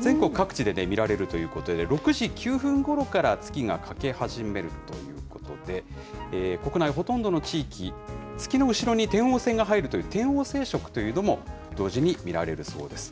全国各地で見られるということで、６時９分ごろから、月が欠け始めるということで、国内ほとんどの地域、月の後ろに天王星が入るという、天王星食というのも、同時に見られるそうです。